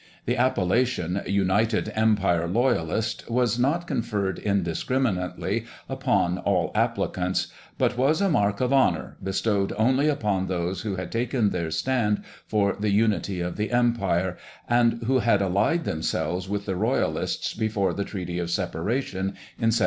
The appellation "United Empire Loyalist" was not conferred indiscriminately upon all applicants, but was a "Mark of Honour" bestowed only upon those who had taken their stand for the unity of the Empire, and who had allied themselves with the Royalists before the Treaty of Separation in 1783.